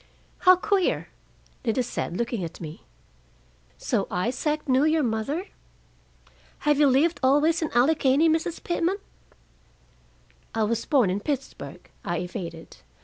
"How queer!" Lida said, looking at me. "So Isaac knew your mother? Have you lived always in Allegheny, Mrs. Pitman?" "I was born in Pittsburgh," I evaded.